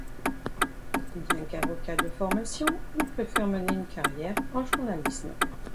Bien qu'avocat de formation, il préfère mener une carrière en journalisme.